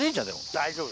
大丈夫。